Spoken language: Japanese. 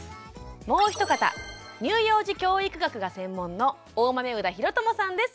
もう一方乳幼児教育学が専門の大豆生田啓友さんです。